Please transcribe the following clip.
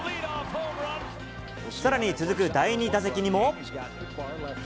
さらに続く第２打席にも。